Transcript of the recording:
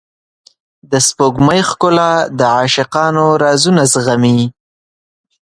د سپوږمۍ ښکلا د عاشقانو رازونه زغمي.